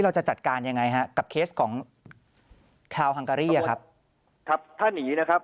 เราจะจัดการยังไงฮะกับเคสของคาวฮังการี่อะครับครับถ้าหนีนะครับ